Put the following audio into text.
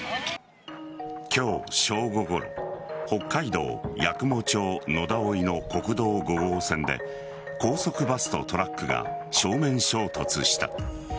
今日正午ごろ北海道八雲町野田生の国道５号線で高速バスとトラックが正面衝突した。